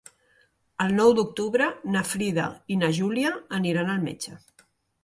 El nou d'octubre na Frida i na Júlia aniran al metge.